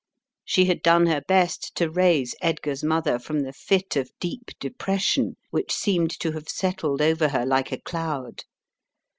She had done her best to raise Edgar's mother from the fit of deep depression which seemed to have settled over her like a cloud.